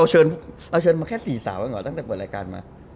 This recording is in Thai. เห้ยเราเชิญแค่๔สาวหรอตั้งแต่เปิดรายการมา